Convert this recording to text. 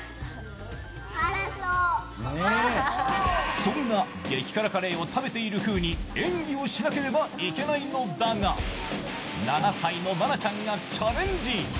そんな激辛カレーを食べているふうに演技をしなければいけないのだが７歳の愛菜ちゃんがチャレンジ。